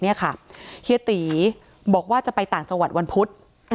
เฮียตีบอกว่าจะไปต่างจังหวัดวันพุธ